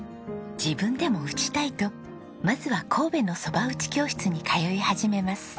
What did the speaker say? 自分でも打ちたいとまずは神戸の蕎麦打ち教室に通い始めます。